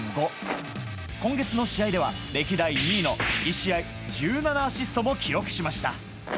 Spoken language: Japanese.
今月の試合では歴代２位の１試合１７アシストも記録しました。